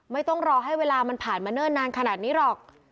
ไม่ต้องรอให้เวลามันผ่านมาเนิ่นนานขนาดนี้หรอก